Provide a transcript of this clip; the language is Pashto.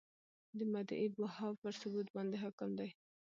د مدعی بها پر ثبوت باندي حکم دی ؟